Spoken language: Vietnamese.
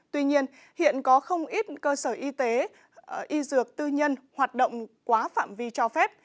tuy nhiên hiện có không ít cơ sở y tế y dược tư nhân hoạt động quá phạm vi cho phép